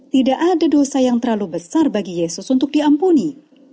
tidak ada dosa yang terlalu besar bagi yesus untuk diampuni